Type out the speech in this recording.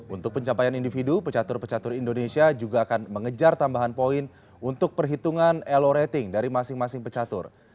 untuk pencapaian individu pecatur pecatur indonesia juga akan mengejar tambahan poin untuk perhitungan elo rating dari masing masing pecatur